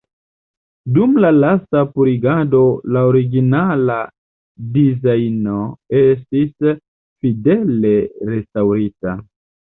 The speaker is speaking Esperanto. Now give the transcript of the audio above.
Dum la lasta purigado la originala dizajno estis fidele restaŭrita.